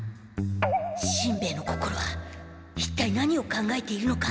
しんべヱの心はいったい何を考えているのか。